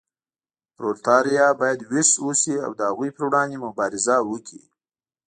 پرولتاریا باید ویښ اوسي او د هغوی پر وړاندې مبارزه وکړي.